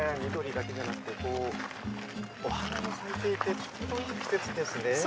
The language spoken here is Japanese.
緑だけじゃなくてお花も咲いていてとてもいい季節ですね。